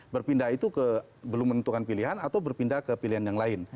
berpindah itu ke belum menentukan pilihan atau berpindah ke pilihan yang lain